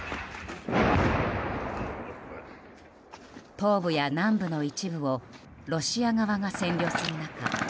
東部や南部の一部をロシア側が占領する中